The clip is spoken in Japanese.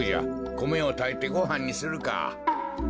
こめをたいてごはんにするか。